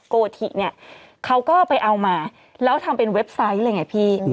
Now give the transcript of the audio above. โกธิเนี่ยเขาก็ไปเอามาแล้วทำเป็นเว็บไซต์เลยไงพี่